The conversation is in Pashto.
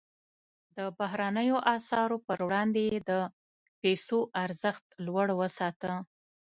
د بهرنیو اسعارو پر وړاندې یې د پیسو ارزښت لوړ وساته.